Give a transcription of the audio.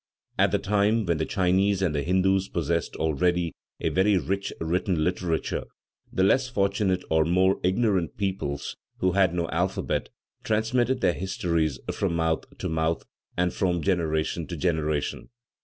At the time when the Chinese and the Hindus possessed already a very rich written literature, the less fortunate or more ignorant peoples who had no alphabet, transmitted their histories from mouth to mouth, and from generation to generation.